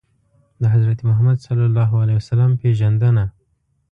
د حضرت محمد ﷺ پېژندنه